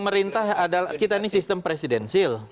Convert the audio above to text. pemerintah adalah kita ini sistem presidensil